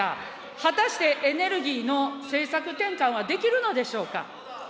果たして、エネルギーの政策転換はできるのでしょうか。